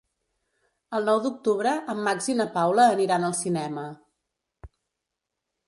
El nou d'octubre en Max i na Paula aniran al cinema.